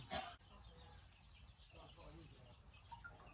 ทำนะ